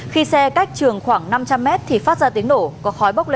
khi xe cách trường khoảng năm trăm linh m thì phát ra tiếng nổ